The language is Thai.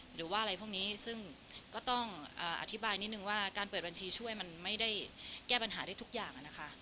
หรือว่าอะไรพวกนี้ซึ่งก็ต้องอธิบายนิดนึงว่าการเปิดบัญชีช่วยมันไม่ได้แก้ปัญหาได้ทุกอย่างนะคะ